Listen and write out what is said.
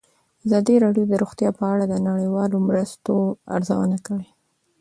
ازادي راډیو د روغتیا په اړه د نړیوالو مرستو ارزونه کړې.